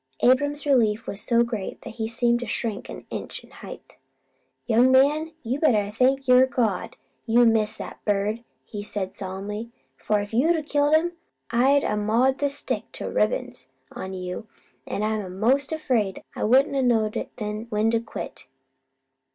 Abram's relief was so great he seemed to shrink an inch in height. "Young man, you better thank your God you missed that bird," he said solemnly, "for if you'd killed him, I'd a mauled this stick to ribbons on you, an' I'm most afraid I wouldn't a knowed when to quit."